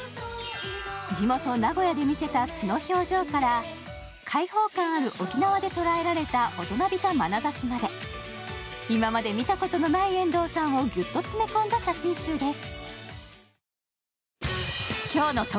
地元・名古屋で見せた素の表情から開放感ある沖縄で捉えられた大人びたまなざしまで今まで見たことのない遠藤さんをギュッと詰め込んだ写真集です。